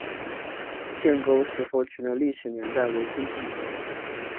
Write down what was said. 建沟石佛群的历史年代为金至明。